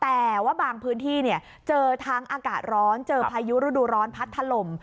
แต่ว่าบางพื้นที่เจอทั้งอากาศร้อนเจอพายุฤดูร้อนพัดถล่ม